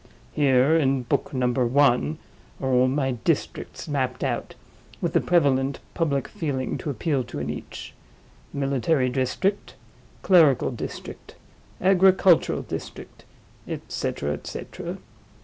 Here, in book Number One, are all my Districts mapped out, with the prevalent public feeling to appeal to in each: Military District, Clerical District, Agricultural District; et cetera, et cetera.